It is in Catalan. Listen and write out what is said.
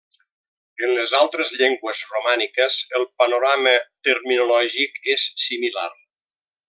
En les altres llengües romàniques, el panorama terminològic és similar.